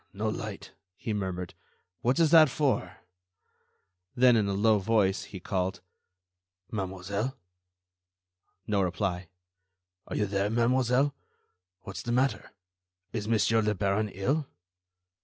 no light," he murmured. "What is that for?" Then, in a low voice, he called: "Mademoiselle?" No reply. "Are you there, mademoiselle? What's the matter? Is Monsieur le Baron ill?"